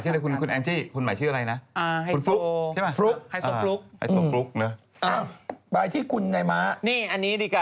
นี่อันนี้ดีกะ